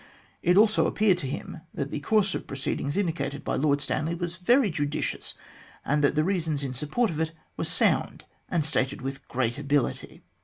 It also appeared to him that the course of proceedings indicated by Lord Stanley was very judicious, and that the reasons in support of it were sound and stated with great ability.